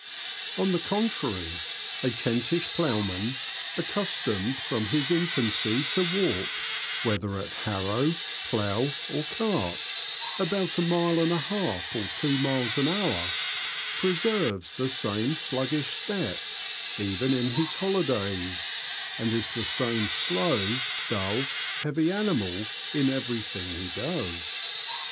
" On the contrary, a Kentish ploughman, accustomed from his infancy to walk, whether at harrow, plough, or cart, about a mile and a half or two miles an hour, preserves the same sluggish step, even in his holidays, and is the same slow, dull, heavy animal in everything he does."